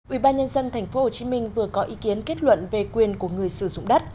ủy ban nhân dân tp hcm vừa có ý kiến kết luận về quyền của người sử dụng đất